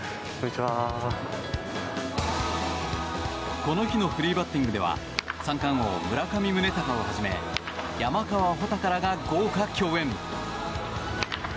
この日のフリーバッティングでは三冠王・村上宗隆をはじめ山川穂高らが豪華共演。